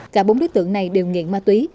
cả bốn đối tượng này đều nghiện ma túy